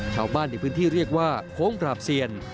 ชาวบ้านในพื้นที่เรียกว่าโค้งกราบเซียน